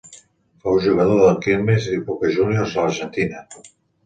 Fou jugador de Quilmes i Boca Júniors a l'Argentina.